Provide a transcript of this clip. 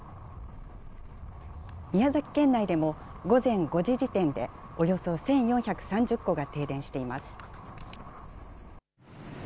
宮崎県内でも午前５時時点でおよそ１４３０戸が停電しています。